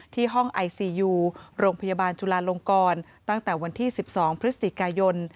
ห้องไอซียูโรงพยาบาลจุลาลงกรตั้งแต่วันที่๑๒พฤศจิกายน